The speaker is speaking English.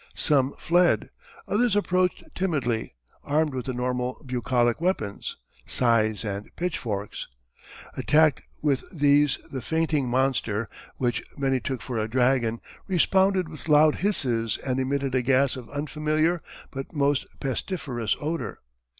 Some fled. Others approached timidly, armed with the normal bucolic weapons scythes and pitchforks. Attacked with these the fainting monster, which many took for a dragon, responded with loud hisses and emitted a gas of unfamiliar but most pestiferous odour.